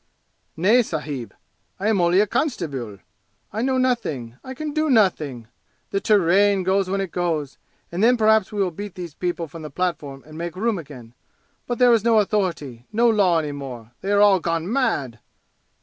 "Nay, sahib! I am only constabeel I know nothing I can do nothing! The teerain goes when it goes, and then perhaps we will beat these people from the platform and make room again! But there is no authority no law any more they are all gone mad!"